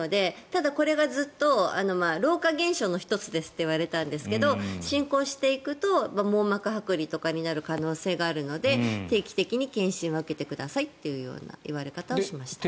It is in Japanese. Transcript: ただ、これがずっと老化現象の１つですって言われたんですが進行していくと網膜はく離とかになる可能性があるので定期的に検診は受けてくださいというような言われ方をしました。